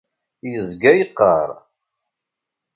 Yezga yeqqar.